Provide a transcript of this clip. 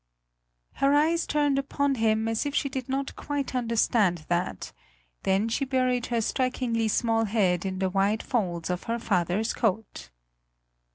Her eyes turned upon him as if she did not quite understand that; then she buried her strikingly small head in the wide folds of her father's coat.